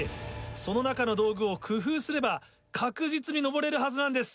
その中の道具を工夫すれば確実に登れるはずなんです。